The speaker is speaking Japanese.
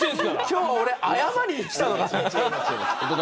今日は俺、謝りに来たのか。